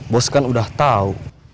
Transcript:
bos kan udah tahu